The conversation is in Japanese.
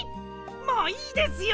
もういいですよ！